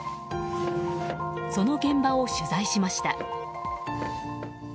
その現場を取材しました。